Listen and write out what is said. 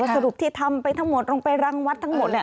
สรุปที่ทำไปทั้งหมดลงไปรังวัดทั้งหมด